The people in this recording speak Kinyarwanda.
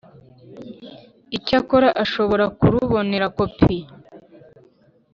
Icyakora ashobora kurubonera kopi